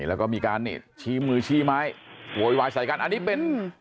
แล้วก็มีการชี้มือชี้ไม้โยยวายใส่กัน